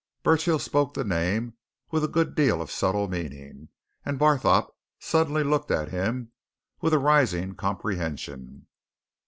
Burchill spoke the name with a good deal of subtle meaning, and Barthorpe suddenly looked at him with a rising comprehension.